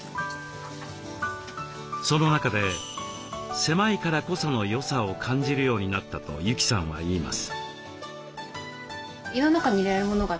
その中で「狭いからこその良さ」を感じるようになったと由季さんは言います。